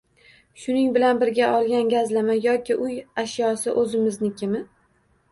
Shuning bilan birga olgan gazlama yoki uy ashyosi o'zimiznikimi